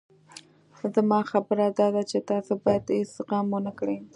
زما خبره داده چې تاسو بايد هېڅ غم ونه کړئ.